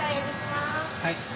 はい。